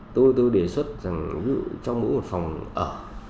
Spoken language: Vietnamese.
tôi đề xuất rằng trong mỗi một phòng ở